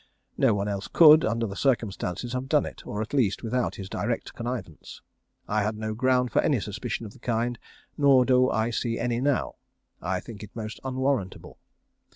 No one else could, under the circumstances, have done it, or at least without his direct connivance. I had no ground for any suspicion of the kind, nor do I see any now. I think it most unwarrantable.